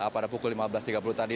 pada pukul lima belas tiga puluh tadi